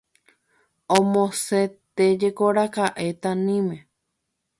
Omosẽtéjekoraka'e Taníme.